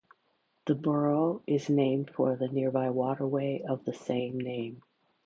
The borough is named for the nearby waterway of the same name.